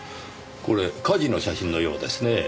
これ火事の写真のようですねぇ。